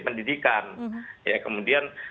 pendidikan ya kemudian